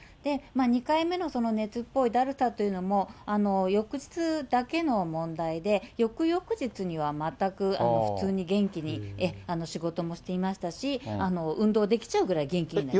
２回目のその熱っぽいだるさというのも、翌日だけの問題で、翌々日には、全く、普通に元気に仕事もしていましたし、運動できちゃうぐらい元気になりました。